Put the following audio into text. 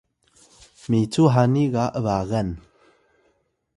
micu hani ga ’bagan